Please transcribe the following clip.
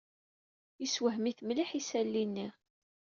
Yessewhem-it mliḥ yisali-nni.